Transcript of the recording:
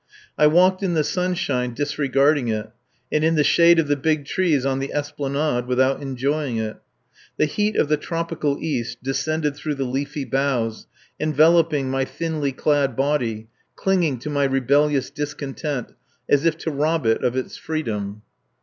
I walked in the sunshine, disregarding it, and in the shade of the big trees on the esplanade without enjoying it. The heat of the tropical East descended through the leafy boughs, enveloping my thinly clad body, clinging to my rebellious discontent, as if to rob it of its freedom.